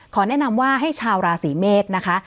แนะนำว่าให้ชาวราศีเมษนะคะ